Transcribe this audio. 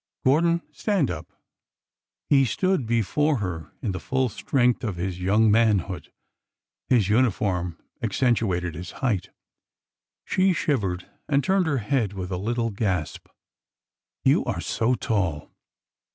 '' Gordon ! Stand up." He stood before her in the full strength of his young manhood. His uniform accentuated his height. She shivered and turned her head with a little gasp. ''You are so tall!